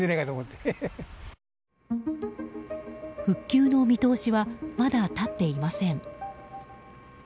復旧の見通しはまだ立っていません。